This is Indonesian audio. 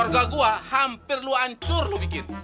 gua hampir lu ancur lu bikin